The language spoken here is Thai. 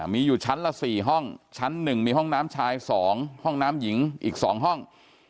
มีอยู่ชั้นละ๔ห้องชั้น๑มีห้องน้ำชาย๒ห้องน้ำหญิงอีก๒ห้อง